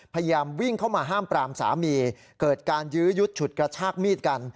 พยายามวิ่งเข้ามาห้ามปรามสามีเกิดการยื้อยุดฉุดกระชากมีดกัน